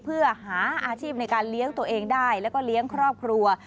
เพื่อหาอาชีพในการเลี้ยงตัวเองได้แล้วก็เลี้ยงครอบครัว